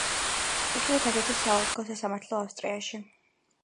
იხილეთ აგრეთვე საოლქო სასამართლო ავსტრიაში.